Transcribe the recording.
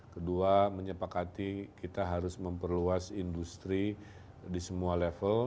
kedua menyepakati kita harus memperluas industri di semua level